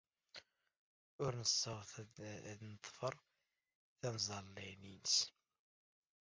Ur nessaweḍ ad neḍfer tameẓla-nnes.